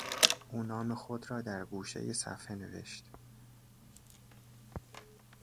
او نام خود را در گوشهی صفحه نوشت.